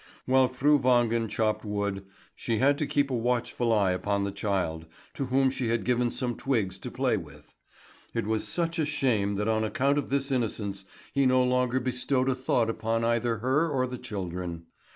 While Fru Wangen chopped wood, she had to keep a watchful eye upon the child, to whom she had given some twigs to play with. It was such a shame that on account of this innocence, he no longer bestowed a thought upon either her or the children.